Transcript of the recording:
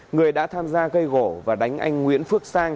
người đã tham gia gây gỗ và đánh anh nguyễn phước sang